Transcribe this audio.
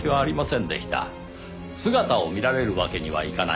姿を見られるわけにはいかない